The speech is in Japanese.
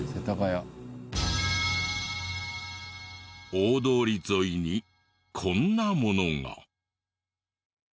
大通り沿いにこんなものが。